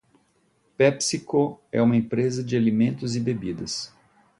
PepsiCo é uma empresa de alimentos e bebidas.